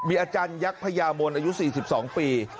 อาจารยักษ์พญามนอายุ๔๒ปี